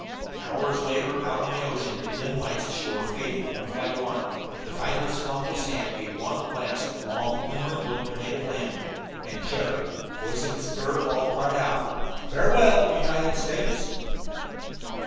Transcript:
Hours later, out upon the ocean, the dim lights ashore fading one by one, the fighters for Uncle Sam gave one last, long, lingering look at their native land. And Jerry, voicing the spirit of all, cried out: "Farewell, United States."